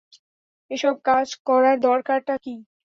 এসব কাজ করার দরকারটা কী?